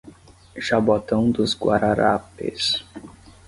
Jaboatão dos Guararapes